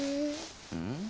うん？